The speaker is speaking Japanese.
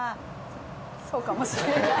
そうかもしれない。